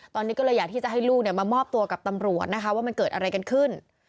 ตอนนี้ก็เลยอยากที่จะให้ลูกมามอบตัวกับตำรวจนะคะว่ามันเกิดอะไรกันขึ้น